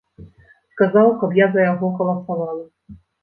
Сказаў, каб я за яго галасавала.